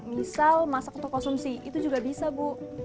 misal masak atau konsumsi itu juga bisa bu